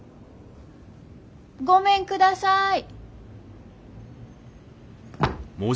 ごめんください。